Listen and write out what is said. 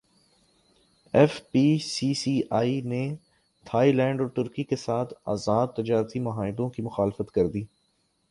F P C C I نے Thailand اور ترکی کیساتھ ازاد تجارتی معاہدوں کی مخالفت کردی